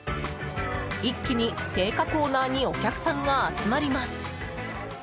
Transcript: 一気に青果コーナーにお客さんが集まります。